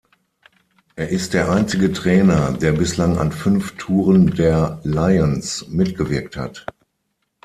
Er ist der einzige Trainer, der bislang an fünf Touren der Lions mitgewirkt hat.